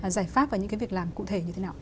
giải pháp và những cái việc làm cụ thể như thế nào